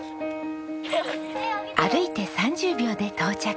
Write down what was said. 歩いて３０秒で到着。